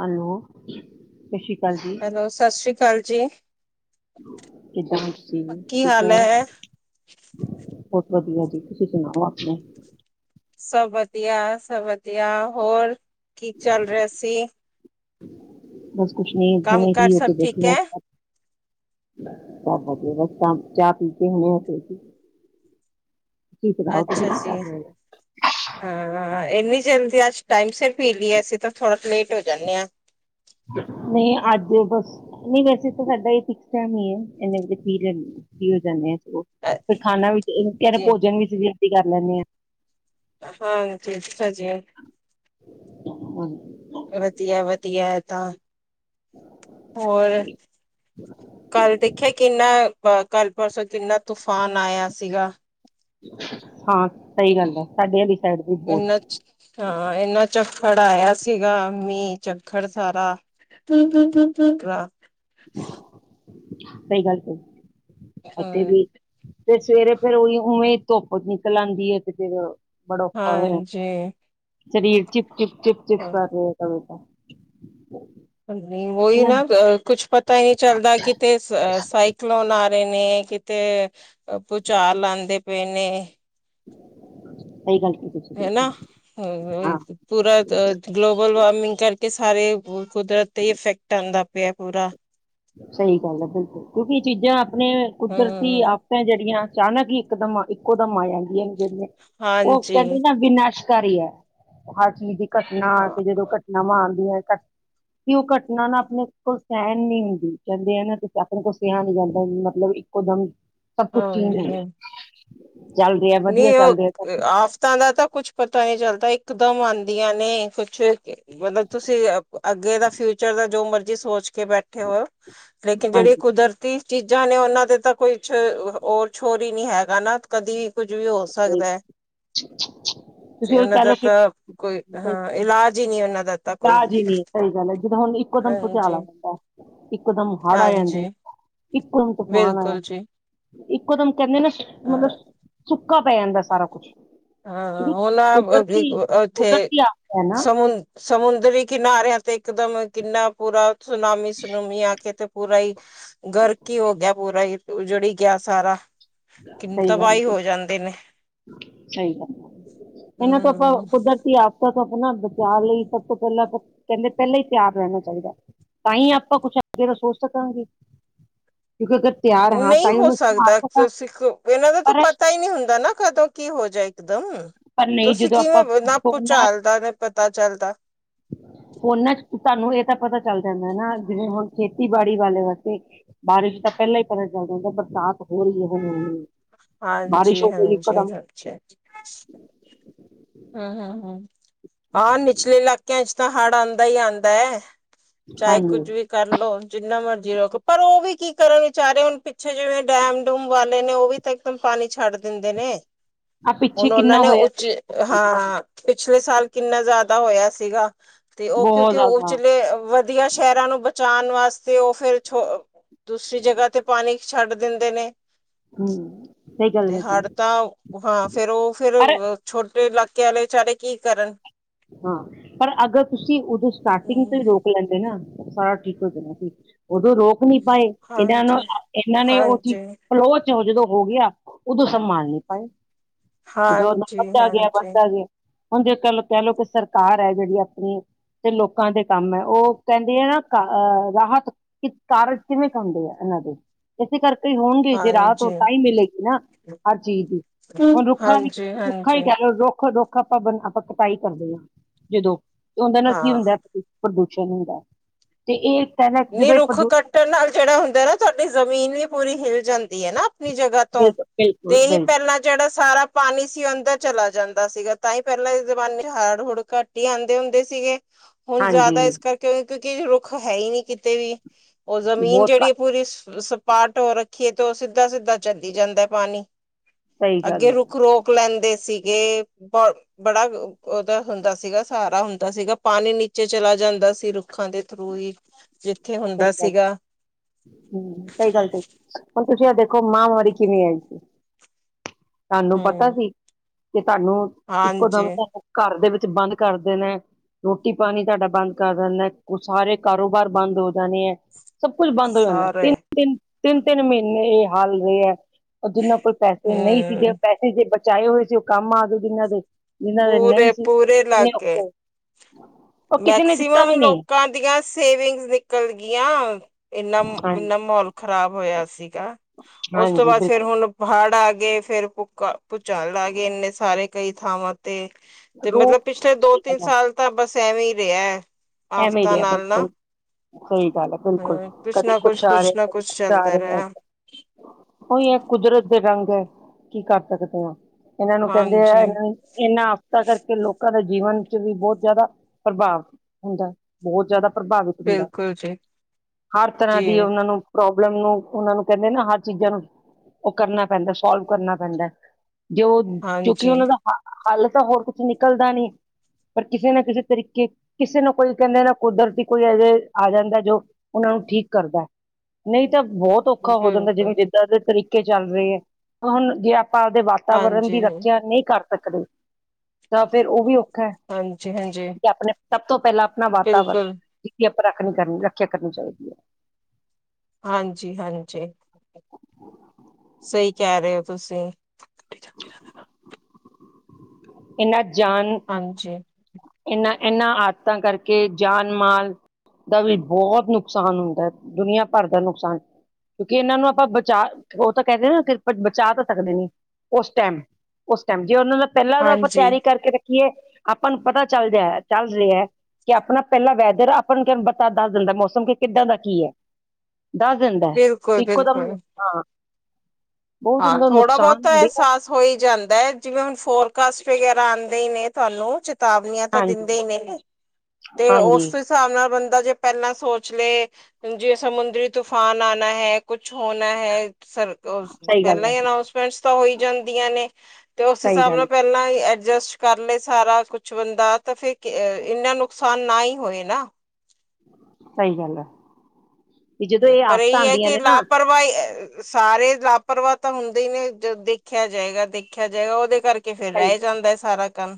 Hello ਸਤਿ ਸ਼੍ਰੀ ਅਕਾਲ ਜੀ। ਹੈਲੋ ਸਤਿ ਸ਼੍ਰੀ ਅਕਾਲ ਜੀ। ਕਿਦਾਂ? ਕੀ ਹਾਲ ਐ? ਬਹੁਤ ਵਧੀਆ ਜੀ ਤੁਸੀਂ ਸੁਣਾਓ ਆਪਣਾ। ਸਭ ਵਧੀਆ-ਸਭ ਵਧੀਆ। ਹੋਰ ਕੀ ਚੱਲ ਰਿਹਾ ਸੀ? ਬਸ ਕੁੱਛ ਨਹੀਂ, ਕੰਮ ਹੁਣੇ ਕਾਰ ਫ੍ਰੀ ਹੋ‌ ਸਭ ਕੇ ਠੀਕ ਬੈਠੀ ਹਾਂ। ਹੈ ਸਭ ਵਧੀਆ ਬਸ ਤਾਂ ਚਾਹ ਪੀ ਕੇ ਹੁਣੇ ਹਟੇ ਸੀ। ਤੁਸੀਂ ਸੁਣਾਓ ਤੁਸੀਂ ਅੱਛਾ ਕੀ ਜੀ। ਕਰ ਰਹੇ ਹੋ ਹਾਂ-ਹਾਂ ਇਨੀ ਜਲਦੀ ਅੱਜ ਟਾਈਮ ਸਿਰ ਪੀਲੀ ਅਸੀ ਤਾਂ ਥੋੜਾ ਲੇਟ ਹੋ ਜਾਣੇ ਆ। ਨਹੀਂ ਅੱਜ ਏ ਬਸ ਨਹੀਂ ਵੈਸੇ ਤਾਂ। ਸਾਡਾ ਇਹ ਫਿਕਸ ਟੈਮ ਈ ਏ ਇਨੇ ਵਜੇ ਪੀ ਲੈਣੈ ਆ ਫ੍ਰੀ ਹੋ‌ ਜਾਣੇ ਆ। ਹਾਂ ਪਰ ਖਾਨਾ ਵਿੱਚ ਤੇਰੇ ਜੀ ਭੋਜਨ ਵਿੱਚ ਗਿਣਤੀ ਕਰ ਲੈਣੇ ਆ। ਹਾਂਜੀ ਅੱਛਾ ਜੀ। ਵਧੀਆ-ਵਧੀਆ ਤਾਂ ਹੋਰ ਕੱਲ ਦੇਖਿਆ ਕਿੰਨਾ ਕੱਲ ਪਰਸੋਂ ਕਿੰਨਾ ਤੂਫਾਨ ਆਇਆ ਸੀਗਾ। ਹਾਂ ਸਹੀ ਗੱਲ ਐ। ਸਾਡਿਆਂ ਦੀ ਇਨਾ ਹਾਂ ਇੰਨਾ ਝੱਖੜ ਆਇਆ ਸੀਗਾ ਮੀਂਹ ਝੱਖੜ ਸਾਰਾ [unintelligible] ਸਹੀ ਗੱਲ ਕਹੀ ਇੱਥੇ ਹਮ ਵੀ ਤੇ ਸਵੇਰੇ ਫੇਰ ਉਹੀ ਉਵੇਂ ਧੁੱਪ ਨਿਕਲ ਆਂਦੀ ਐ ਤੇ ਫਿਰ, ਬੜਾ ਔਖਾ ਹੋਇਆ ਹਾਂਜੀ ਸਰੀਰ ਚਿਪ ਚੁਪ-ਚੁਪ ਚਿਪ ਕਰ ਰਿਹਾ। [unintelligible] ਹਾਂਜੀ। ਉਹੀ ਨਾ ਕੁਛ ਪਤਾ ਹੀ ਨਹੀਂ ਚੱਲਦਾ ਕਿਤੇ ਸਾਈ। ਖਲਣ ਆ ਰਹੇ ਨੇ ਕਿਤੇ ਭੂਚਾਰ ਆਂਦੇ ਪਏ ਨੇ ਸਹੀ ਗੱਲ ਕਹੀ। ਹਨਾ ਪੂਰਾ ਗਲੋਬਲ ਵਾਰਮਿੰਗ ਕਰਕੇ ਸਾਰੇ। ਕੁਦਰਤ ਤੇ ਇਫੈਕਟ ਆਂਦਾ ਪਿਆ ਪੂਰਾ। ਸਹੀ ਗੱਲ ਐ। ਬਿਲਕੁਲ ਕਿਉਂਕਿ ਇਹ ਚੀਜ਼ਾਂ ਆਪਣੇ ਕੁਦਰਤੀ ਹਮ ਆਪ ਜਿਹੜੀਆਂ ਅਚਾਨਕ ਇੱਕਦਮ ਇੱਕੋ ਦਮ ਆ ਜਾਂਦੀਆਂ ਨੇ ਜਿਹੜੀਆਂ ਉਹ ਹਾਂਜੀ ਕਹਿੰਦੇ ਨਾ ਵੀਨਾਸ਼। ਕਾਰੀ ਆ ਹਰ ਚੀਜ਼ ਦੀ ਘਟਨਾ ਆ ਹਾਂ ਕੇ ਜਦੋਂ ਘਟਨਾਵਾਂ ਆਂਦੀਆਂ ਘ ਕਿ ਉਹ ਘਟਨਾ ਨਾ ਆਪਣੇ ਕੋਲ ਸਹਿਣ ਨਹੀਂ ਹੁੰਦੀ। ਕਹਿੰਦੇ ਆ ਨਾ ਕੀ ਆਪਣੇ ਕੋਲ ਸੇਹਾ ਨੀ ਜਾਂਦਾ ਮਤਲਬ ਇੱਕੋ ਦਮ ਸਭ ਕੁਛ ਚੇਂਜ। ਹਾਂਜੀ ਚੱਲ ਰਿਹਾ ਵਧੀਆ ਨਹੀਂ ਓ ਚੱਲ ਰਿਹਾ ਸਭ ਤਾਂ ਦਾ ਤਾਂ ਕੁੱਛ ਪਤਾ ਨੀ ਚੱਲਦਾ ਇਕਦਮ ਆਂਦੀਆਂ ਨੇ ਕੁਛ ਮਤਲਬ ਤੁਸੀਂ ਅੱਗੇ ਦਾ ਫਿਊਚਰ ਦਾ ਜੋ ਮਰਜੀ ਸੋਚ ਕੇ ਬੈਠੇ ਹੋ। ਲੇਕਿਨ ਜਿਹੜੀ ਹਾਂਜੀ ਕੁਦਰ ਤੀ ਚੀਜ਼ਾਂ ਨੇ ਉਹਨਾਂ ਦੇ ਤਾਂ ਕੋਈ ਹੋਰ ਛੋਰ ਹੀ ਨਹੀਂ ਹੈਗਾ ਨਾ ਕਦੀ। ਕੁਝ ਵੀ ਹੋ ਸਹੀ ਸਕਦਾ। ਤੁਸੀਂ ਤੇ ਉਹੀ ਉਹਨਾਂ ਕਹਿ ਲਓ ਦਾ ਕਿ ਤਾਂ ਕੋਈ ਅ ਇਲਾਜ ਹੀ ਨਹੀਂ ਉਹਨਾਂ ਦਾ। ਤਾਂ ਕੋਈ ਇਲਾਜ ਈ ਨੀ ਸਹੀ ਗੱਲ ਐ। ਜਿਦਾਂ ਹੁਣ ਇੱਕੋ ਦਮ ਭੁਚਾਲ ਹਾਂਜੀ ਏ ਜਾਂਦਾ ਇੱਕੋ ਦਮ ਹੜ ਆ ਜਾਂਦੇ। ਹਾਂਜੀ ਇੱਕੋ ਦਮ ਤੂਫਾਨ ਆਇਆ ਬਿਲਕੁਲ ਜੀ ਇੱਕੋ ਦਮ ਕਹਿੰਦੇ ਨਾ ਅ ਮਤਲਬ। ਸੁੱਕਾ ਪੈ ਜਾਂਦਾ ਸਾਰਾ ਕੁਛ। ਹਾਂ-ਹਾਂ ਉਹਨਾਂ ਉੱਥੇ ਕੁਦਰਤੀ ਆਫਤ ਹੈ ਨਾ ਸਮ ਸਮੁੰਦਰੀ ਕਿਨਾਰਿਆਂ ਤੇ ਇਕਦਮ ਕਿੰਨਾ ਪੂਰਾ ਸੁਨਾਮੀ ਸੁਨੂਮੀ ਆ ਕੇ ਤੇ। ਪੂਰਾ ਹੀ ਗਰਕ ਹੀ ਹੋ ਗਿਆ ਪੂਰਾ ਉਜੜੀ ਗਿਆ ਸਾਰਾ ਕਿੰਨੀ ਸਹੀ ਗੱਲ, ਤਬਾਹੀ ਹੋ ਜਾਂਦੇ ਨੇ ਸਹੀ ਗੱਲ। ਇਹਨਾਂ ਤੋਂ ਆਪਾਂ ਹਮ ਕੁਦਰਤੀ ਆਫ ਆਪਣਾ ਬਚਾਅ ਲਈ ਸਭ ਤੋਂ ਪਹਿਲਾਂ ਆਪ ਕਹਿੰਦੇ ਪਹਿਲਾਂ ਹੀ ਤਿਆਰ ਰਹਿਣਾ ਚਾਹੀਦਾ ਤਾਂ ਹੀ ਆਪਾਂ ਕੁਛ ਅੱਗੇ ਦਾ ਸੋਚ ਸਕਾਗੇ ਕਿਉਂਕਿ ਤਿਆਰ ਹਾਂ ਨਹੀਂ ਤਾਂ ਹੀ ਹੋ ਸਕਦਾ [unintelligible] ਤੁਸੀਂ ਇਹਨਾਂ ਦਾ ਤਾਂ ਪਰ ਪਤਾ ਹੀ ਨਹੀਂ ਹੁੰਦਾ ਨਾ ਕਦੋਂ ਕੀ ਹੋ ਜਾਏ ਇਕ ਦਮ। ਪਰ ਨਹੀਂ ਤੁਸੀਂ ਜਦੋਂ ਆਪਾਂ ਕਿਵੇਂ ਨਾ ਭੂਚਾਲ ਦਾ ਨਾ ਪਤਾ ਚੱਲਦਾ। [inaudible] ਉਹਨਾਂ ਚ ਤੁਹਾਨੂੰ ਇਹ ਤਾਂ ਪਤਾ ਚੱਲ ਜਾਂਦਾ ਨਾ ਜਿਵੇਂ ਹੁਣ ਖੇਤੀਬਾੜੀ ਵਾਲੇ ਵਾਸਤੇ। ਬਾਰਿਸ਼ ਤਾਂ ਪਹਿਲਾਂ ਹੀ ਪਤਾ ਚੱਲ ਜਾਂਦਾ ਬਰਸਾਤ ਹੋ ਰਹੀ ਐ ਹੁਣ [unintelligible] ਬਾਰਿਸ਼ ਹੋ ਗਈ ਹਾਂਜੀ-ਹਾਂਜੀ ਇੱਕਦਮ ਅੱਛਾ ਜੀ। ਹੂੰ, ਆਹ ਨਿਚਲੇ ਇਲਾਕਿਆਂ ਚ ਤਾਂ ਹੜ੍ਹ ਆਂਦਾ ਹੀ ਆਂਦਾ। ਚਾਹੇ ਹਾਂਜੀ ਕੁਝ ਵੀ ਕਰ ਲਓ ਜਿੰਨਾ ਮਰਜ਼ੀ ਰੱਖੋ ਪਰ ਉਹ ਵੀ ਕੀ ਕਰਨ ਵਿਚਾਰੇ ਹੁਣ ਪਿੱਛੇ ਜਿਵੇਂ ਡੈਮ ਡੂਮ ਵਾਲੇ ਨੇ ਉਹ ਵੀ। ਇੱਕਦਮ ਪਾਣੀ ਛੱਡ ਦਿੰਦੇ ਨੇ ਆ ਪਿੱਛੇ ਹੁਣ ਉਹਨਾਂ ਕਿੰਨਾ ਨੇ ਹੋਇਆ ਉੱਚ। ਸੀ ਹਾਂ-ਹਾਂ ਪਿਛਲੇ ਸਾਲ ਕਿੰਨਾ ਜ਼ਿਆਦਾ ਹੋਇਆ ਸੀਗਾ। ਤੇ ਉਹ ਬਹੁਤ ਕਿਉਂਕਿ ਜ਼ਿਆਦਾ ਉਚਲੇ ਵਧੀਆ ਸ਼ਹਿਰਾਂ ਨੂੰ ਬਚਾਣ ਵਾਸਤੇ ਉਹ ਫੇਰ ਦੂਸਰੀ ਜਗ੍ਹਾ ਤੇ ਪਾਣੀ ਛੱਡ ਦਿੰਦੇ ਨੇ। ਹੂੰ ਸਹੀ ਗੱਲ ਤੇ ਹੈ ਜੀ ਹੜ ਤਾਂ ਹਾਂ ਫੇਰ ਉਹ ਫੇਰ। ਪਰ ਛੋਟੇ ਇਲਾਕੇ ਵਾਲੇ ਵਿਚਾਰੇ ਕੀ ਕਰਨ। ਹਾਂ, ਪਰ ਅਗਰ ਤੁਸੀਂ ਉਦੋਂ ਸਟਾਰਟਿੰਗ ਤੋਂ ਹਮ ਹੀ ਰੋਕ ਲੈਂਦੇ ਨਾ ਸਾਰਾ ਠੀਕ ਹੋ ਜਾਣਾ ਸੀ। ਉਦੋਂ ਰੋਕ ਨਹੀਂ ਪਾਏ ਇਹਨਾਂ ਨੂੰ ਹਾਂਜੀ ਇਹਨਾਂ ਨੇ ਉਹ ਚੀ ਹਾਂਜੀ ਪਲੋਹ ਚੋਂ ਜਦੋਂ ਹੋ ਗਿਆ, ਉਦੋਂ ਸੰਭਾਲ ਨੀ ਪਾਏ। ਜੋਦ [unintelligible] ਹਾਂਜੀ ਗਿਆ ਹਾਂਜੀ ਬਣਦਾ ਗਿਆ, ਹੁਣ ਜੇ ਕਹਿ ਲੋ ਕਹਿ ਲਓ ਕਿ ਸਰਕਾਰ ਹੈ ਜਿਹੜੀ ਆਪਣੀ ਤੇ ਲੋਕਾਂ ਦੇ ਕੰਮ ਏ ਉਹ ਕਹਿੰਦੀ ਹੈ ਨਾ ਅਹ ਰਾਹਤ ਕਿ ਕਾਰਜ ਕਿਵੇਂ ਖਾਂਦੇ ਆ ਇਹਨਾਂ ਦੇ। ਇਸੇ ਕਰਕੇ ਹੋਣਗੇ ਜੇ ਰਾਹ ਤੋਂ ਹਾਂਜੀ ਤਾਂ ਈ ਮਿਲੇਗੀ ਨਾ ਹਰ ਚੀਜ਼ ਦੀ। ਹੁਣ ਹਾਂਜੀ ਰੁੱਖਾਂ ਦੀ ਰੁੱਖਾ ਹੀ ਹਾਂਜੀ ਕਹਿ ਲਓ ਰੁੱਖ ਦੁੱਖ ਆਪਾਂ ਬ ਆਪਾਂ ਕਟਾਈ ਕਰਦੇ ਹਾਂ, ਜਦੋਂ ਤੇ ਉਹਦੇ ਨਾਲ ਕੀ ਹਾਂ ਹੁੰਦਾ ਪ੍ਰਦੂਸ਼ਣ ਹੁੰਦਾ। ਤੇ ਇਹ ਤੇ ਨਾ ਨੀ ਰੁੱਖ ਕੱਟਣ ਨਾਲ ਜਿਹੜਾ ਹੁੰਦਾ ਨਾ ਤੁਹਾਡੀ ਜ਼ਮੀਨ ਵੀ ਪੂਰੀ ਹਿਲ ਜਾਂਦੀ ਹੈ ਨਾ ਆਪਣੀ ਜਗਾ ਤੋਂ, ਬਿਲਕੁਲ ਤੇ ਬਿਲਕੁਲ ਇਹੀ ਬਿਲਕੁਲ ਪਹਿਲਾਂ ਜਿਹੜਾ ਸਾਰਾ ਪਾਣੀ ਸੀ ਅੰਦਰ ਚਲਾ ਜਾਂਦਾ ਸੀਗਾ ਤਾਂ ਹੀ ਪਹਿਲਾਂ ਜ਼ਮਾਨੇ ਹੜ ਹੁੜ ਘੱਟ ਹੀ ਆਉਂਦੇ ਹੁੰਦੇ ਸੀਗੇ। ਹੁਣ ਹਾਂਜੀ ਜ਼ਿਆਦਾ ਇਸ ਕਰਕੇ ਕਿਉਂਕਿ ਰੁੱਖ ਹੈ ਹੀ ਨੀ ਕਿਤੇ ਵੀ। ਉਹ ਜ਼ਮੀਨ ਬਹੁਤ ਜਿਹੜੀ ਹੈ ਘੱਟ ਪੂਰੀ ਪਾਟ ਹੋ ਰੱਖੀ ਏ ਤੇ ਉਹ ਸਿੱਧਾ-ਸਿੱਧਾ ਚੱਲੀ ਜਾਂਦਾ ਪਾਣੀ, ਸਹੀ ਅੱਗੇ ਗੱਲ ਹੈ ਰੁੱਖ ਰੋਕ ਰੋਕ ਲੈਂਦੇ ਸੀਗੇ ਪਰ ਬੜਾ ਉਹਦਾ ਹੁੰਦਾ ਸੀਗਾ ਸਹਾਰਾ ਹੁੰਦਾ ਸੀਗਾ ਪਾਣੀ ਨੀਚੇ ਚਲਾ ਜਾਂਦਾ ਸੀ ਰੁੱਖਾਂ ਦੇ ਥਰੂ ਹੀ। [unintelligible] ਸਹੀ ਗੱਲ। ਸੀਗਾ ਹੂੰ ਸਹੀ ਗੱਲ ਤੇ ਹੁਣ ਤੁਸੀਂ ਆ ਦੇਖੋ ਮਹਾਂਮਾਰੀ ਕਿਵੇਂ ਆਈ ਸੀ। ਸਾਨੂੰ ਪਤਾ ਹਮ ਸੀ, ਕਿ ਸਾਨੂੰ ਇੱਕੋ ਦਮ ਹਾਂਜੀ ਘਰ ਦੇ ਵਿੱਚ ਬੰਦ ਕਰਦੇ ਨੇ। ਰੋਟੀ-ਪਾਣੀ ਤੁਹਾਡਾ ਬੰਦ ਕਰ ਦਿੰਦਾ, ਸਾਰੇ ਕਾਰੋਬਾਰ ਬੰਦ ਹੋ ਜਾਨੇ ਏ ਸਭ ਕੁਛ ਬੰਦ ਹੋ ਜਾਂਦਾ ਸਾਰੇ ਤਿੰਨ-ਤਿੰਨ, ਤਿੰਨ-ਤਿੰਨ ਮਹੀਨੇ ਇਹ ਹਾਲ ਰਹੇ ਆ। ਜਿਹਨਾਂ ਕੋਲ ਪੈਸੇ ਨਹੀਂ ਸੀਗੇ ਹਮ ਪੈਸੇ ਜੇ ਬਚਾਏ ਹੋਏ ਸੀ ਉਹ ਕੰਮ ਆਗੇ ਜਿਹਨਾਂ ਦੇ। ਜਿਨਾ ਦੇ ਨਹੀਂ ਪੂਰੇ ਸੀ, ਉਹ ਪੂਰੇ ਲੱਗ ਕਿੰਨੇ ਔਖੇ ਗਏ ਹੋਏ। ਉਹ ਕਿਸੇ ਨੇ ਦਿੱਤਾ ਮੈਕਸੀਮਮ ਵੀ ਨਹੀਂ ਲੋਕਾਂ ਦੀਆਂ ਸੇਵਿੰਗਸ ਨਿਕਲ ਗੀਆਂ। ਇੰਨਾ, ਹਾਂਜੀ ਇੰਨਾ ਮਾਹੌਲ ਖ਼ਰਾਬ ਹੋਇਆ ਸੀਗਾ ਉਸ ਤੋਂ ਹਾਂਜੀ ਬਾਅਦ ਫੇਰ ਬਿਲਕੁਲ ਹੁਣ ਹੜ ਆ ਗਏ ਫੇਰ ਭੁੱਕ ਭੁਚਾਲ ਆ ਗਏ ਇੰਨੇ ਸਾਰੇ ਕਈ ਥਾਵਾਂ ਤੇ ਤੇ ਰੋ ਮਤਲਬ ਪਿਛਲੇ ਸਹੀ ਦੋ-ਤਿੰਨ ਗੱਲ ਹੈ ਸਾਲ ਤਾਂ ਬਸ ਐਵੇਂ ਹੀ ਰਿਹਾ ਹੈ। ਐਵੇਂ ਈ ਆਫ਼ਤਾਂ ਰਿਹਾ ਨਾਲ ਨਾ ਬਿਲਕੁਲ। ਸਹੀ ਗੱਲ ਹੈ ਬਿਲਕੁਲ, ਕਦੇ ਕੁਛ ਆ ਰਿਹਾ ਕਦੇ ਕੁਛ ਆ ਰਿਹਾ। ਉਹੀ ਹੈ ਕੁਦਰਤ ਦੇ ਰੰਗ ਐ, ਕੀ ਕਰ ਸਕਦੇ ਆ ਇਹਨਾਂ ਨੂੰ ਕਹਿੰਦੇ ਆ ਹਾਂਜੀ ਇਹਨਾਂ ਇਹਨਾਂ ਆਫ਼ਤਾਂ ਕਰਕੇ ਲੋਕਾਂ ਦੇ ਜੀਵਨ ਚ ਵੀ ਬਹੁਤ ਜ਼ਿਆਦਾ ਪ੍ਰਭਾਵ ਹੁੰਦਾ, ਬਹੁਤ ਜ਼ਿਆਦਾ ਪ੍ਰਭਾਵਿਤ ਹੁੰਦਾ। ਬਿਲਕੁਲ ਜੀ ਹਰ ਤਰ੍ਹਾਂ ਜੀ ਦੀ ਉਹਨਾਂ ਨੂੰ ਪ੍ਰੋਬਲਮ ਨੂੰ ਉਹਨਾਂ ਨੂੰ ਕਹਿੰਦੇ ਨਾ ਹਰ ਚੀਜ਼ਾਂ ਨੂੰ, ਉਹ ਕਰਨਾ ਪੈਂਦਾ ਸੋਲਵ ਕਰਨਾ ਪੈਂਦਾ। ਜੋ ਕਿਉਂਕਿ ਹਾਂਜੀ ਉਹਨਾਂ ਦਾ ਹ ਹੱਲ ਤਾਂ ਹੋਰ ਕੁਛ ਨਿਕਲਦਾ ਨੀ, ਪਰ ਕਿਸੇ ਨਾ ਕਿਸੇ ਤਰੀਕੇ ਕਿਸੇ ਨੂੰ ਕੋਈ ਕਹਿੰਦੇ ਨਾ ਕੁਦਰਤੀ ਕੋਈ ਇਹ ਜੇ ਆ ਜਾਂਦਾ ਜੋ ਉਹਨਾਂ ਨੂੰ ਠੀਕ ਕਰਦਾ। ਨਹੀਂ ਤਾਂ ਬਹੁਤ ਔਖਾ ਹੋ ਜਾਂਦਾ ਜਿਵੇਂ ਬਿਲਕੁਲ ਜਿੱਦਾਂ ਦੇ ਤਰੀਕੇ ਚੱਲ ਰਹੇ ਆ, ਹੁਣ ਜੇ ਆਪਾਂ ਆਵਦੇ ਵਾਤਾਵਰਨ ਹਾਂਜੀ ਦੀ ਰੱਖਿਆ ਨਹੀਂ ਕਰ ਸਕਦੇ, ਤਾਂ ਫਿਰ ਉਹ ਵੀ ਔਖਾ। ਹਾਂਜੀ-ਹਾਂਜੀ। ਕਿ ਆਪਣੇ ਸਭ ਤੋਂ ਪਹਿਲਾਂ ਆਪਣਾ ਵਾਤਾਵਰਨ, ਜਿਹਦੀ ਆਪਾਂ ਰੱਖ ਨੀ ਕਰਨੀ ਰੱਖਿਆ ਕਰਨੀ ਚਾਹੀਦੀ ਹੈ। ਹਾਂਜੀ-ਹਾਂਜੀ, ਸਹੀ ਕਹਿ ਰਹੇ ਹੋ ਤੁਸੀਂ। ਇਹਨਾਂ ਜਾਨ ਹਾਂਜੀ। ਇਹਨਾਂ, ਇਹਨਾਂ ਆਦਤਾਂ ਕਰਕੇ ਜਾਨਮਾਲ ਦਾ ਵੀ ਬਹੁਤ ਨੁਕਸਾਨ ਹੁੰਦਾ, ਦੁਨੀਆਂ ਭਰ ਦਾ ਨੁਕਸਾਨ! ਕਿਉਂਕਿ ਇਹਨਾਂ ਨੂੰ ਆਪਾਂ ਬਚਾ--ਉਹ ਤਾਂ ਕਹਿੰਦੇ ਨਾ ਬਚਾ ਤਾਂ ਸਕਦੇ ਨੀ ਉਸ ਟਾਇਮ। ਉਸ ਟਾਈਮ, ਜੇ ਉਹਨਾਂ ਦਾ ਪਹਿਲਾਂ ਆਪਾਂ ਹਾਂਜੀ। ਤਿਆਰੀ ਕਰਕੇ ਰੱਖੀਏ, ਆਪਾਂ ਨੂੰ ਪਤਾ ਚੱਲਦੈ ਦੱਸਦੇ ਆ। ਕਿ ਆਪਣਾ ਪਹਿਲਾ ਵੈਦਰ ਆ, ਆਪਾਂ ਨੂੰ ਬਤਾ--ਦੱਸ ਦਿੰਦਾ, ਮੌਸਮ ਕਿ, ਕਿੱਦਾਂ ਦਾ ਕੀ ਹੈ। ਦੱਸ ਦਿੰਦਾ, ਇੱਕੋਦਮ, ਬਿਲਕੁਲ-ਬਿਲਕੁਲ ਹਾਂ। ਬਹੁਤ ਹਾਂ, ਹੁੰਦਾ ਥੋੜਾ-ਬਹੁਤ ਨੁਕਸਾਨ ਤਾਂ ਹੁੰਦੇ ਆ ਅਹਿਸਾਸ ਹੋਈ ਜਾਂਦਾ ਹੈ, ਜਿਵੇਂ ਹੁਣ ਫੋਰਕਾਸਟ ਵਗੈਰਾ ਆਉਂਦੇ ਹੀ ਨੇ ਤੁਹਾਨੂੰ। ਚਤਾਵਨੀਆਂ ਤਾਂ ਹਾਂਜੀ ਦਿੰਦੇ ਹੀ ਨੇ। ਤੇ ਹਾਂਜੀ ਉਸ ਹਿਸਾਬ ਨਾਲ, ਬੰਦਾ ਜੇ ਪਹਿਲਾਂ ਸੋਚਲੇ ਜੇ ਸਮੁੰਦਰੀ ਤੂਫਾਨ ਆਣਾ ਹੈ, ਕੁਛ ਹੋਣਾ ਹੈ, ਸਰ ਔਰ ਸਹੀ ਗੱਲ ਪਹਿਲਾਂ ਹੈ ਹੀ ਅਨਾਉਸਮੈਂਟਸ ਤਾਂ ਹੋਈ ਜਾਂਦੀਆਂ ਨੇ, ਤੇ ਉਸ ਸਹੀ ਹਿਸਾਬ ਨਾਲ ਗੱਲ ਪਹਿਲਾਂ ਐਡਜਸਟ ਕਰਲਏ ਸਾਰਾ ਕੁਛ ਬੰਦਾ, ਤਾਂ ਫਿਰ ਇੰਨਾ ਨੁਕਸਾਨ ਨਾ ਹੀ ਹੋਏ ਨਾ। ਸਹੀ ਗੱਲ ਐ। ਪਰ ਇਹੀ ਐ, ਕਿ ਲਾਪਰਵਾਹੀ ਸਾਰੇ ਲਾਪਰਵਾਹ ਤਾਂ ਹੁੰਦੇ ਹੀ ਨੇ, ਦੇਖਿਆ ਜਾਇਗਾ, ਦੇਖਿਆ ਜਾਇਗਾ। ਉਹਦੇ ਕਰਕੇ ਕੇ ਫਿਰ ਸਹੀ ਰਹਿ ਜਾਂਦਾ ਹੈ, ਸਾਰਾ ਕੰਮ।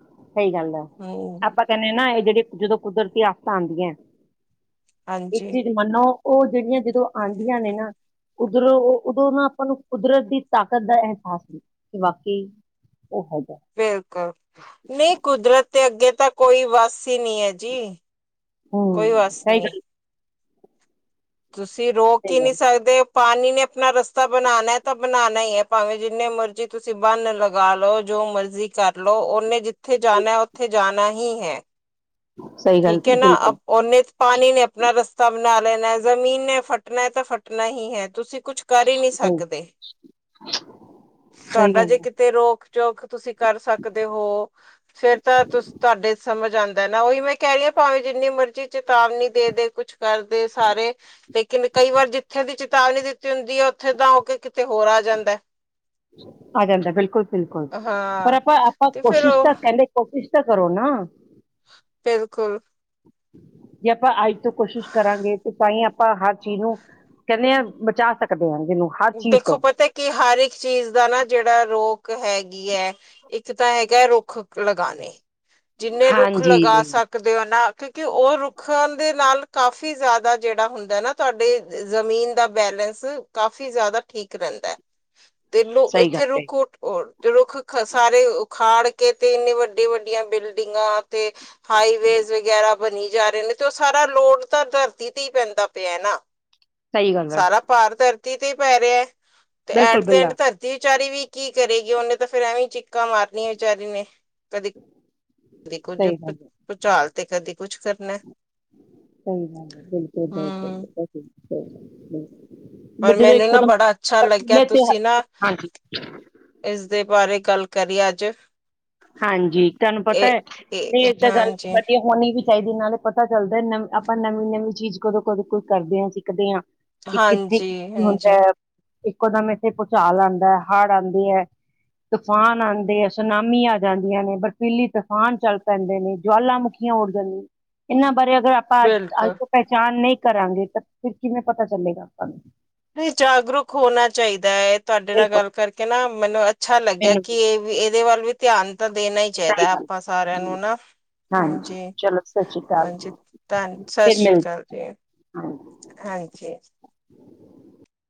ਸਹੀ ਗੱਲ ਐ, ਹਮ ਆਪਾਂ ਕਹਿੰਦੇ ਆ ਨਾ, ਇਹ ਜਿਹੜੀ ਜਦੋਂ ਕੁਦਰਤੀ ਆਫਤਾਂ ਆਂਦੀਆਂ ਇੱਕ ਹਾਂਜੀ ਚੀਜ਼ ਮੰਨੋ, ਉਹ ਜਿਹੜੀਆਂ, ਜਦੋਂ ਆਂਦੀਆਂ ਨੇ, ਨਾ ਉਧਰੋਂ, ਉਦੋਂ ਨਾ ਆਪਾਂ ਨੂੰ ਕੁਦਰਤ ਦੀ ਤਾਕਤ ਦਾ ਅਹਿਸਾਸ ਹੁੰਦਾ, ਕਿ ਵਾਕਈ! ਓ ਹੈਗਾ। ਬਿਲਕੁਲ, ਨਹੀਂ ਕੁਦਰਤ ਦੇ ਅੱਗੇ ਤਾਂ ਕੋਈ ਵੱਸ ਹੀ ਨਹੀਂ ਆ ਜੀ। ਕੋਈ ਹੂੰ ਵੱਸ ਸਹੀ ਨਹੀਂ। ਗੱਲ ਤੁਸੀਂ, ਰੋਕ ਸਹੀ ਹੀ ਨਹੀਂ ਗੱਲ ਸਕਦੇ ਪਾਨੀ ਨੇ ਅਪਣਾ ਰਸਤਾ ਬਣਾਣਾ ਹੈ, ਤਾਂ ਬਣਾਣਾ ਹੀਹੈ, ਭਾਵੇਂ ਜਿੰਨੇ ਮਰਜ਼ੀ ਤੁਸੀਂ ਬੰਨ ਲਗਾਲੋ, ਜੋ ਮਰਜ਼ੀ ਜੀ ਕਰਲੋ, ਉਹਨੇ ਜਿੱਥੇ ਜਾਣਾ, ਉੱਥੇ ਜਾਣਾ ਹੀ ਹੈ। ਸਹੀ ਗੱਲ ਠੀਕ ਹੈ ਕਹੀ, ਨਾ, ਬਿਲਕੁਲ ਓਹਨੇ ਪਾਨੀ ਨੇ ਅਪਨਾ ਰਸਤਾ ਬਣਾ ਲੈਣਾ, ਜ਼ਮੀਨ ਨੇ ਫੱਟਣਾ ਹੈ, ਤਾਂ ਫੱਟਣਾ ਹੀਹੈ, ਤੁਸੀਂ ਕੁਛ ਕਰ ਹੀ ਨਹੀਂ ਸਹੀ ਸਕਦੇ, ਸਹੀ ਤੁਹਾਡਾ ਗੱਲ ਜੇ ਹੈ। ਕਿ ਤੇ ਰੋਕ-ਜੋੋਕ ਤੁਸੀਂ ਕਰ ਸਕਦੇ ਹੋ ਫੇਰ ਤਾ, ਤੁਸ ਤੁਹਾਡੇ ਸਮਝ ਆਂਦਾ ਏ ਨਾ, ਉਹੀ ਮੈਂ ਕਹਿ ਰਹੀਆਂ, ਭਾਵੇਂ ਜਿੰਨੀ ਮਰਜ਼ੀ ਚੇਤਾਵਨੀ ਦੇਦੇ ਕੁਛ ਕਰਦੇ ਸਾਰੇ, ਲੇਕਿਨ ਕਈ ਵਾਰ ਜਿੱਥੇ ਦੀ ਚੇਤਾਵਨੀ ਦਿੱਤੀ ਹੁੰਦੀ ਆ, ਉੱਥੇ ਤਾਂ ਹੋਕੇ ਕਿਤੇ ਹੋਰ ਆ ਜਾਂਦਾ। ਆ ਜਾਂਦਾ, ਬਿਲਕੁਲ-ਬਿਲਕੁਲ, ਪਰ ਹਾਂ ਆਪਾਂ, ਆਪਾਂ ਤੇ ਫੇਰ ਕੋਸ਼ਿਸ਼ ਉਹ ਤਾਂ ਕਹਿੰਦੇ ਕੋਸ਼ਿਸ਼ ਤਾ ਕਰੋ ਨਾ। ਬਿਲਕੁਲ! ਜੇ ਆਪਾਂ ਅੱਜ ਤੋਂ ਕੋਸ਼ਿਸ਼ ਕਰਾਂਗੇ, ਤੇ ਤਾਂਹੀ ਆਪਾਂ ਹਰ ਚੀਜ਼ ਨੂੰ ਕਹਿੰਨੇ ਆਂ, ਬਚਾ ਸਕਦੇ ਹਾਂ ਜਿਹਨੂੰ ਹਰ ਚੀਜ਼ ਦੇਖੋ ਤੋਂ ਪਤਾ ਕਿ, ਹਰ ਇੱਕ ਚੀਜ਼ ਦਾ ਨਾ, ਜਿਹੜਾ ਰੋਕ ਹੈਗੀ ਐ ਇੱਕ ਤਾਂ ਹੈਗਾ, ਰੁੱਖ ਲਗਾਣੇ। ਜਿੰਨੇ ਰੁੱਖ ਲਗਾ ਹਾਂਜੀ ਸਕਦੇ ਓ ਨਾ, ਕਿਉਂਕਿ ਉਹ ਰੁੱਖਾਂ ਦੇ ਨਾਲ ਕਾਫੀ ਕਾਫੀ ਜ਼ਿਆਦਾ ਜਿਹੜਾ ਹੁੰਦਾ ਨਾ, ਤੁਹਾਡੇ ਜ਼ਮੀਨ ਦਾ ਬੈਲੇੈਂਸ ਕਾਫੀ ਕਾਫੀ ਜ਼ਿਆਦਾ ਠੀਕ ਰਹਿੰਦਾ, ਤੇ ਲੋ ਸਹੀ ਗੱਲ ਇੱਥੇ ਕਹੀ, ਰੁਕੋ ਦੇ, ਰੁੱਖ ਸਾਰੇ ਉਖਾੜਕੇ, ਤੇ ਇਨੇ ਵੱਡੇ-ਵੱਡੀਆਂ ਬਿਲਡਿੰਗਾਂ ਤੇ ਹਾਈਵੇਜ਼ ਵਗੈਰਾ ਬਣੀ ਜਾ ਰਹੇ ਨੇ, ਤੇ ਉਹ ਸਾਰਾ ਲੋੜ ਤਾਂ ਧਰਤੀ ਤੇ ਹੀ ਪੈਂਦਾ ਪਿਆ ਨਾ। ਸਹੀ ਗੱਲ ਐ, ਸਾਰਾ ਭਾਰ ਧਰਤੀ ਤੇ ਹੀ ਪੈ ਰਿਹਾ, ਤੇ ਐਟ ਦੇ ਐਂਡ ਬਿਲਕੁਲ-ਬਿਲਕੁਲ ਧਰਤੀ ਤੇ ਵਿਚਾਰੀ ਵੀ ਕੀ ਕਰੇਗੀ, ਉਹਨੇ ਤਾਂ ਫਿਰ ਐਵੇਂ ਚਿੱਕਾਂ ਮਾਰਨੀਆਂ ਵਿਚਾਰੀ ਨੇ। ਕਦੀ, ਕਦੀ ਕੁੱਝ, ਸਹੀ ਗੱਲ ਐ। ਭੂਚਾਲ ਤੇ ਕਦੀ ਕੁੱਛ ਕਰਨਾ। ਚੰ ਗੱਲ ਹੈ ਬਿਲਕੁਲ-ਬਿਲਕੁਲ ਹਮ [unintelligible] ਪਰ ਜਦੋਂ ਮੈਨੂੰ ਨਾ ਇੱਕੋਦਮ ਬੜਾ ਅੱਛਾ ਲੱਗਿਆ। ਬਰਫੀਲੇ ਤੇ ਤੁਸੀਂ ਨਾ ਹ- ਹਾਂਜੀ, ਇਸਦੇ ਬਾਰੇ ਗੱਲ ਕਰੀਏ ਅੱਜ। ਹਾਂਜੀ। ਤੁਹਾਨੂੰ ਪਤਾ ਇਹ ਹੈ। ਨਹੀਂ ਇਹ ਤਾਂ ਗੱਲ ਹਾਂਜੀ ਵਧੀਆ ਹੋਣੀ ਵੀ ਹੀ ਨਾਲ ਹੀ ਪਤਾ ਚੱਲਦਾ ਆਪਾਂ ਨਵੀਂ ਨਵੀਂ ਚੀਜ਼ ਕਦੋਂ- ਕਦੋਂ ਕੁਈ ਕਰਦੇ ਹਾਂ। ਸਿੱਖਦੇ ਹਾਂ। ਕਿ ਕਿੱਥੇ ਹਾਂਜੀ ਹੁੰਦਾ ਹਾਂਜੀ ਹੈ। ਇੱਕੋ ਦਮ ਇੱਥੇ ਭੂਚਾਲ ਆਉਂਦਾ, ਹੜ ਆਉਂਦੀ ਹੈ। ਤੂਫਾਨ ਆਉਂਦੇ ਆ, ਸੁਨਾਮੀ ਜਾਂਦੀਆਂ ਨੇ। ਬਰਫੀਲੀ ਤੂਫਾਨ ਚੱਲ ਪੈਂਦੇ ਨੇ, ਜੁਆਾਲਾਂ ਮੁੁਖੀਆਂ ਉੱਡ ਜਾਂਦੀਆਂ ਨੇ। ਇਹਨਾਂ ਬਾਰੇ ਅਗਰ ਆਪਾਂ ਅੱਜ ਬਿਲਕੁਲ ਤੋਂ ਪਹਿਚਾਣ ਨਹੀਂ ਕਰਾਂਗੇ। ਤਾਂ ਫਿਰ ਕਿਵੇਂ ਪਤਾ ਚੱਲੇਗਾ ਆਪਾਂ ਨੂੰ। ਜਾਗਰੂਕ ਹੋਣਾ ਚਾਹੀਦਾ ਹੈ। ਤੁਹਾਡੇ ਨਾਲ ਬਿਲਕੁਲ ਗੱਲ ਕਰਕੇ ਨਾ ਮੈਨੂੰ ਅੱਛਾ ਲੱਗਿਆ। ਮੈਨੂੰ ਕਿ ਇਹ ਵੀ ਇਹਦੇ ਵੱਲ ਵੀ ਧਿਆਨ ਤਾਂ ਦੇਣਾ ਹੀ ਸਹੀ ਚਾਹੀਦਾ ਗੱਲ ਆਪਾਂ ਸਾਰਿਆਂ ਜੀ ਨੂੰ ਨਾ। ਹਾਂਜੀ ਚਲੋ ਸਤਿ ਸ਼੍ਰੀ ਅਕਾਲ -ਹਾਂਜੀ ਧੰਨ ਸਤਿ ਫਿਰ ਸ੍ਰੀ ਮਿਲਦੇ ਅਕਾਲ ਜੀ। ਹਾਂ ਹਾਂਜੀ ਹਾਂਜੀ।